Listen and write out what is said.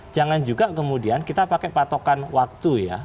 jangan juga kemudian kita pakai patokan waktu ya